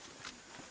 di kosi barat